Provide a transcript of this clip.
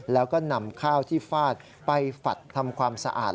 แล้วก็นำข้าวที่ฟาดไปฝัดทำความสะอาด